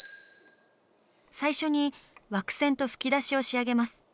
最初に枠線と吹き出しを仕上げます。